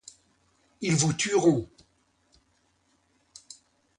Ils vous tueront.